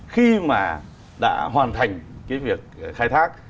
khi mà đã hoàn thành cái việc khai thác